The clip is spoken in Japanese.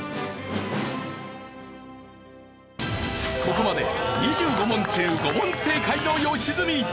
ここまで２５問中５問正解の良純。